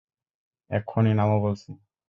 এক্ষুণি নামো বলছি!